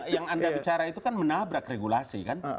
yang anda bicara itu kan menabrak regulasi kan